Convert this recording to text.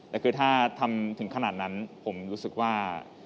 แต่คือถ้าทำถึงขนาดนั้นผมรู้สึกว่า